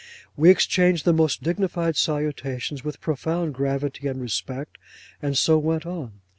We exchanged the most dignified salutations with profound gravity and respect, and so went on.